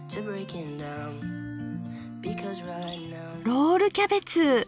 「ロールキャベツ！